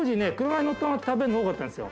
車に乗ったまま食べるの多かったんですよ。